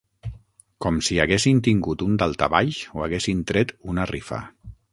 Com si haguessin tingut un daltabaix o haguessin tret una rifa.